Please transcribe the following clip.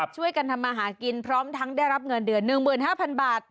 ช่วยกันทำมาหากินพร้อมทั้งได้รับเงินเดือน๑๕๐๐๐บาท